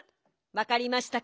わかりましたか？